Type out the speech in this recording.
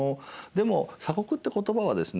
でも「鎖国」って言葉はですね